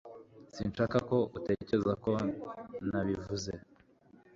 Sinshaka ko utekereza ko ntabivuze.